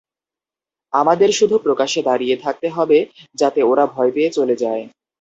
আমাদের শুধু প্রকাশ্যে দাঁড়িয়ে থাকতে হবে যাতে ওরা ভয় পেয়ে চলে যায়।